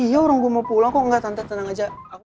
iya orang gue mau pulang kok nggak tante tenang aja